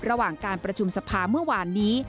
ระหว่างการประชุมสภาเมื่อวานนี้